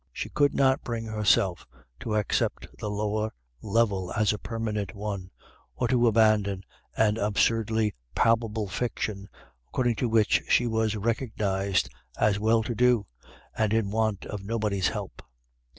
She could not bring herself to accept the lower level as a permanent one, or to abandon an absurdly palpable fiction, according to which she was recognised as well to do and in want of nobody's help.